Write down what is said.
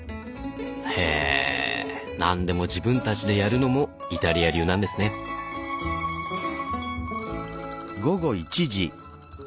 へぇ何でも自分たちでやるのもイタリア流なんですね。